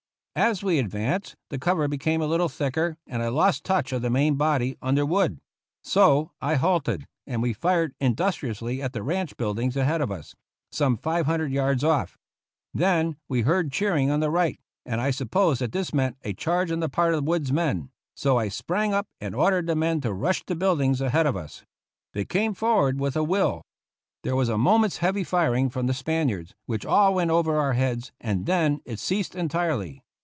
As we advanced, the cover became a little thicker and I lost touch of the main body under Wood ; so I halted and we fired industriously at the ranch buildings ahead of us, some five hundred yards off. Then we heard cheering on the right, and I supposed that this meant a charge on the part of Wood's men, so I sprang up and ordered the men 08 GENERAL YOUNG'S FIGHT to rush the buildings ahead of us. They came forward with a will. There was a moment's heavy firing from the Spaniards, which all went over our heads, and then it ceased entirely.